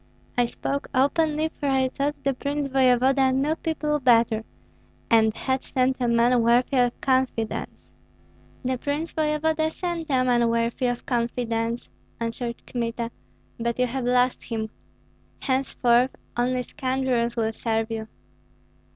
I spoke openly, for I thought the prince voevoda knew people better, and had sent a man worthy of confidence." "The prince voevoda sent a man worthy of confidence," answered Kmita, "but you have lost him. Henceforth only scoundrels will serve you."